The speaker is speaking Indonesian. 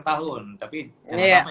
tahun tapi ya